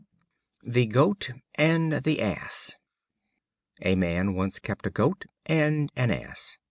The Goat and the Ass. A Man once kept a Goat and an Ass.